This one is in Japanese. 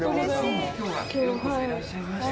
今日はようこそいらっしゃいました。